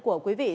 của quý vị